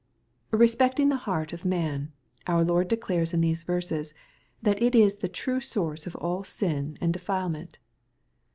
Respecting the heart of man, our Lord declares in these verses, that it is the true source of all sin and defile ^ ment.